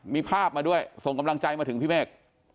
มีภาพมาด้วยส่งกำลังใจมาถึงพี่เมฆ